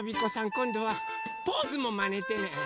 こんどはポーズもまねてね。